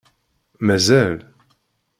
Mazal!